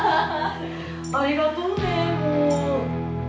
ありがとうねもう。